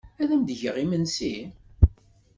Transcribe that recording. Ad am-d-geɣ imensi?